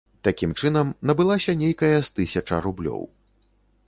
Такім чынам набылася нейкая з тысяча рублёў.